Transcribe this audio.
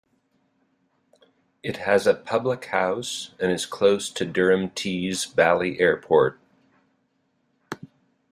It has a public house and is close to Durham Tees Valley Airport.